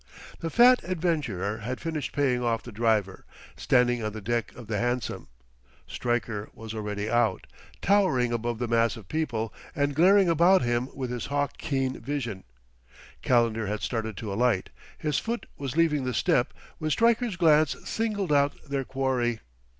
The fat adventurer had finished paying off the driver, standing on the deck of the hansom. Stryker was already out, towering above the mass of people, and glaring about him with his hawk keen vision. Calendar had started to alight, his foot was leaving the step when Stryker's glance singled out their quarry.